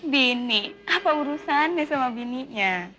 bini apa urusan ya sama bininya